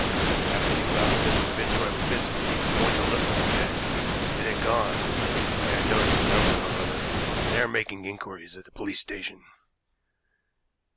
After we found that Mrs. Fitzroy was missing, I went to look for the taxi. It had gone. I had noticed the number, however, and they are making inquiries at the police station."